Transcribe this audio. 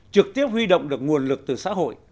trực tiếp huy động được nguồn lực từ xã hội